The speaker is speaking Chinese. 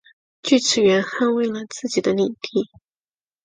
锯齿螈捍卫了自己的领地。